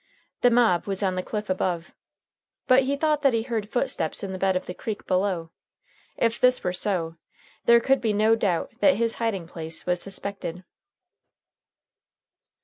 The mob was on the cliff above. But he thought that he heard footsteps in the bed of the creek below. If this were so, there could be no doubt that his hiding place was suspected.